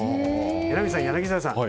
榎並さん、柳澤さん